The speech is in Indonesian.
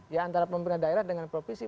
ya antara pemerintah daerah dengan provinsi